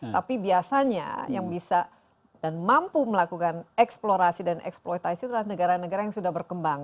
tapi biasanya yang bisa dan mampu melakukan eksplorasi dan eksploitasi adalah negara negara yang sudah berkembang